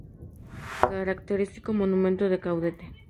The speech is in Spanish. Característico monumento de Caudete.